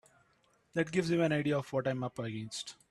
That gives you an idea of what I'm up against.